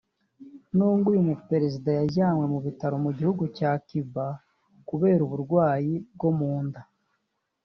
nibwo uyu muperezida yajyanwe mu bitaro mu gihugu cya Cuba kubera uburwayi bwo mu nda